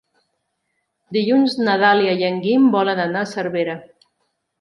Dilluns na Dàlia i en Guim volen anar a Cervera.